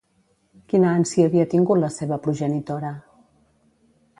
Quina ànsia havia tingut la seva progenitora?